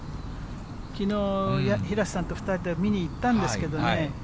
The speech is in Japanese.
きのう、平瀬さんと２人で見に行ったんですけどね。